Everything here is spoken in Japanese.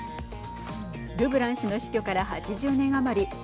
ルブラン氏の死去から８０年余り。